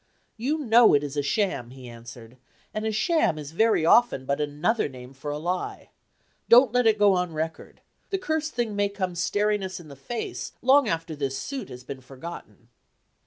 'You know it is a sham," he answered, "and a sham is very often but another name for a lie. Don't let it go on record. The cursed thing may come staring us in the face long after this suit has been for gotten."